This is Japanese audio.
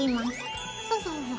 そうそうそうそう。